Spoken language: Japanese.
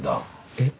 えっ？